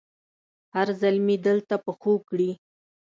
هر زلمي دلته پښو کړي